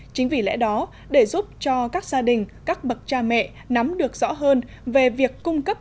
chính vì lẽ đó để giúp cho các gia đình các bậc cha mẹ nắm được rõ hơn về việc cung cấp